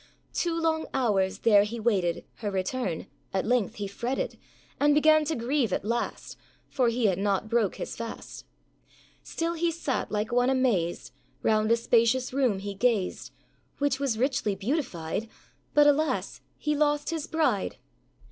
Two long hours there he waited Her return; âat length he fretted, And began to grieve at last, For he had not broke his fast. Still he sat like one amazed, Round a spacious room he gazed, Which was richly beautified; But, alas! he lost his bride.